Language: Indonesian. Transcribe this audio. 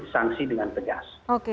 sanksi dengan tegas